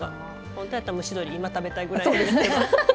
本当やったら蒸し鶏今食べたいぐらいですけど。